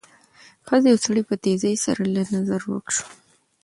ښځه او سړی په تېزۍ سره له نظره ورک شول.